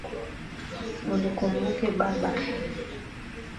Unikumbuke baba